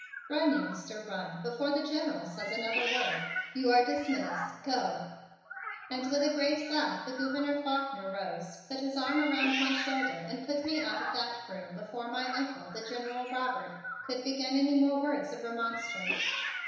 "Run, youngster, run, before the General says another word. You are dismissed. Go!" And with a great laugh the Gouverneur Faulkner rose, put his arm around my shoulder and put me out of that room before my Uncle, the General Robert, could begin any more words of remonstrance.